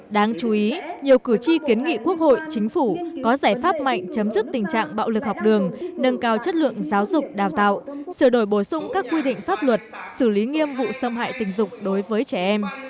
đáng chú ý nhiều cử tri kiến nghị quốc hội chính phủ có giải pháp mạnh chấm dứt tình trạng bạo lực học đường nâng cao chất lượng giáo dục đào tạo sửa đổi bổ sung các quy định pháp luật xử lý nghiêm vụ xâm hại tình dục đối với trẻ em